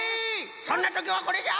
そんなときはこれじゃ！